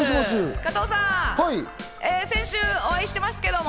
加藤さん、先週お会いしてますけれども。